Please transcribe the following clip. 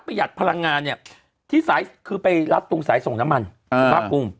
ประหยัดพลังงานเนี้ยที่สายคือไปรัดตรงสายส่งน้ำมันเออ